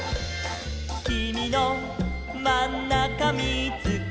「きみのまんなかみーつけた」